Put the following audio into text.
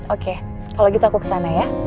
oke kalau gitu aku kesana ya